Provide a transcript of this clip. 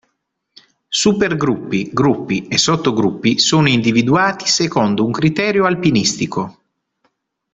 Supergruppi, gruppi e sottogruppi sono individuati secondo un criterio alpinistico.